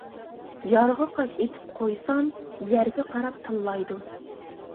يارغا قاش ئېتىپ قويسام، يەرگە قاراپ تىللايدۇ.